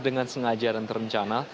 dengan sengaja dan terencana